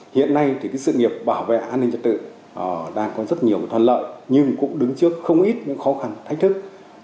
hiện nay thì sự nghiệp bảo vệ an ninh trật tự đang có rất nhiều thuận lợi nhưng cũng đứng trước không ít những khó khăn thách thức